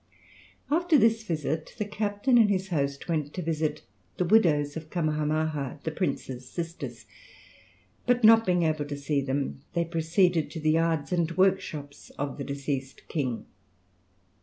After this visit, the captain and his host went to visit the widows of Kamahamaha, the prince's sisters, but not being able to see them, they proceeded to the yards and workshops of the deceased king.